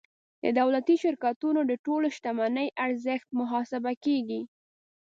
د دولتي شرکتونو د ټولې شتمنۍ ارزښت محاسبه کیږي.